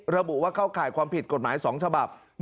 ระบุว่าเข้าข่ายความผิดกฎหมาย๒ฉบับ